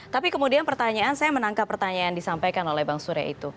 tapi kemudian pertanyaan saya menangkap pertanyaan yang disampaikan oleh bang surya itu